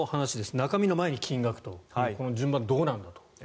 中身の前に金額というこの順番はどうなんだと。